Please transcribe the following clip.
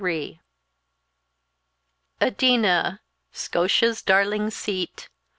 "Edina! Scotia's darling seat!